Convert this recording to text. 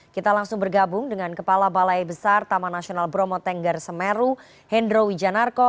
kita langsung bergabung dengan kepala balai besar taman nasional bromo tengger semeru hendro wijanarko